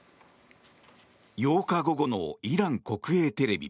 ８日午後のイラン国営テレビ。